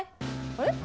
あれ？